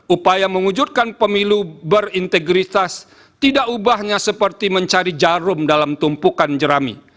upaya mewujudkan pemilu berintegritas tidak ubahnya seperti mencari jarum dalam tumpukan jerami